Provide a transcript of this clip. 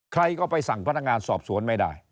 ใครก็ไปสั่งพนักงานสอบสวนไม่ได้